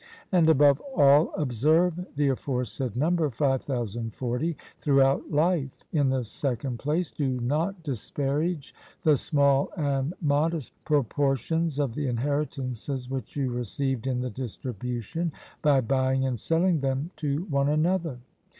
And, above all, observe the aforesaid number 5040 throughout life; in the second place, do not disparage the small and modest proportions of the inheritances which you received in the distribution, by buying and selling them to one another.